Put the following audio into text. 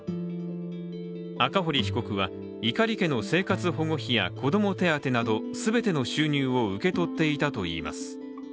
赤堀被告は碇家の生活保護費や子ども手当など全ての収入を受け取っていたといいます。